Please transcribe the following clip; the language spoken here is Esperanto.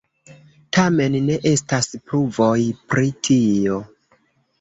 Tamen ne estas pruvoj pri tio.